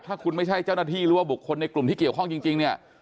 ถ้าคุณไม่ใช่เจ้าหน้าที่หรือว่าบุคคลในกลุ่มที่เกี่ยวข้องจริงเนี่ย